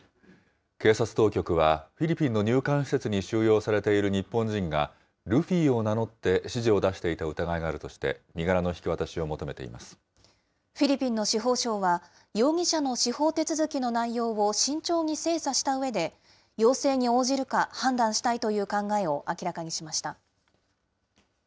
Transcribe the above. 警察当局は、フィリピンの入管施設に収容されている日本人が、ルフィを名乗って指示を出していた疑いがあるとして、フィリピンの司法相は、容疑者の司法手続きの内容を慎重に精査したうえで、要請に応じるか、判断したいという考えを明らかにしました。